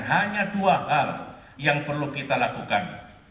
hanya dua hal yang perlu kita lakukan